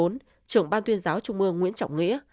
một mươi bốn trưởng ban tuyên giáo trung ương nguyễn trọng nghĩa